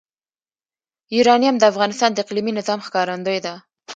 یورانیم د افغانستان د اقلیمي نظام ښکارندوی ده.